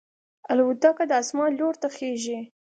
الوتکه د اسمان لور ته خېژي.